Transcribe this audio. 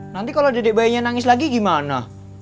nanti kalau dedek bayinya nangis lagi gimana